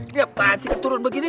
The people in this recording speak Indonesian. dia apaan sih keturun begini